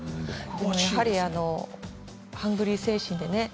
やはりハングリー精神でね。